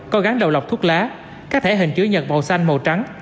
có gắn đầu lọc thuốc lá các thể hình chữ nhật màu xanh màu trắng